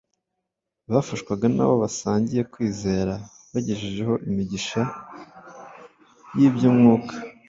bafashwaga n’abo basangiye kwizera bagejejeho imigisha y’iby’umwuka.